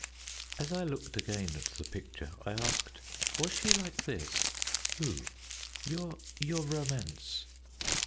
As I looked again at the picture, I asked, "Was she like this?" "Who?" "Your your romance!"